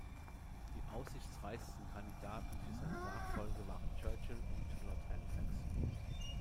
Die aussichtsreichsten Kandidaten für seine Nachfolge waren Churchill und Lord Halifax.